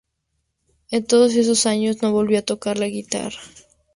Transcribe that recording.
En todos esos años no volvió a tocar la guitarra.